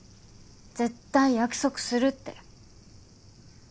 絶対約束するって。